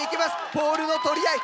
ポールの取り合い！